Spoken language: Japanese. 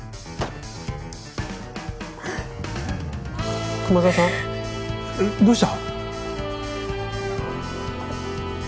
う。熊沢さん？えどうした？